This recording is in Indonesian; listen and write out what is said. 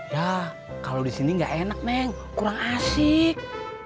ya kalau di sini nggak enak meng kurang asik